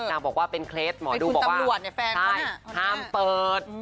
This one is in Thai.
นางบอกว่าเป็นเคล็ดหมอดูบอกว่าใช่ห้ามเปิด